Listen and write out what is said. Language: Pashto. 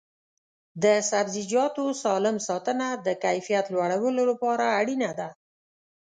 د سبزیجاتو سالم ساتنه د کیفیت لوړولو لپاره اړینه ده.